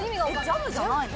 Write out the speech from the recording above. ジャムじゃないの？